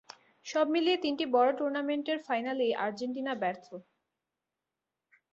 সব মিলিয়ে তিনটি বড় টুর্নামেন্টের ফাইনালেই আর্জেন্টিনা ব্যর্থ।